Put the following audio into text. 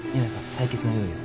採血の用意を。